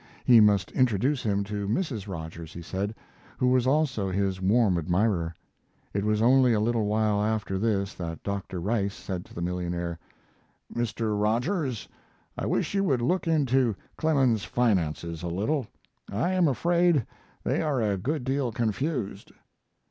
He must introduce him to Mrs. Rogers, he said, who was also his warm admirer. It was only a little while after this that Dr. Rice said to the millionaire: "Mr. Rogers, I wish you would look into Clemens's finances a little: I am afraid they are a good deal confused."